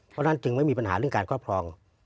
เพราะฉะนั้นจึงไม่มีปัญหาเรื่องการครอบครอง